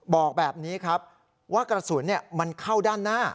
บอกแบบนี้ครับว่ากระสุนมันเข้าด้านหน้า